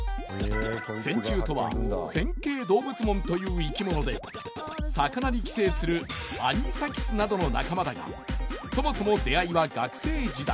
線虫とは線形動物門という生き物で魚に寄生するアニサキスなどの仲間だがそもそも出会いは学生時代。